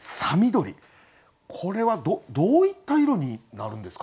これはどういった色になるんですか？